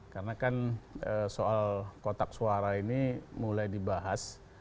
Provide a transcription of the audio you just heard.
karena kan soal kotak suara ini mulai dibahas